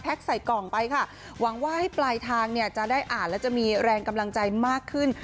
ใส่กล่องไปค่ะหวังว่าให้ปลายทางเนี่ยจะได้อ่านแล้วจะมีแรงกำลังใจมากขึ้น